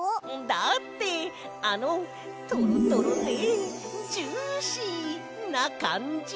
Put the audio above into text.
だってあのトロトロでジューシーなかんじ！